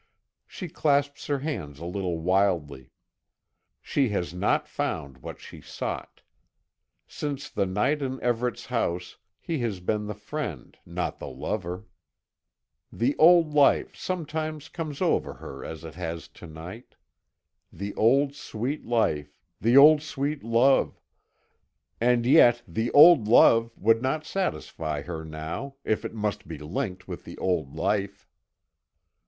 She clasps her hands a little wildly. She has not found what she sought. Since the night in Everet's house, he has been the friend, not the lover. The old life sometimes comes over her as it has to night. The old sweet life, the old sweet love and yet, the old love would not satisfy her now, if it must be linked with the old life.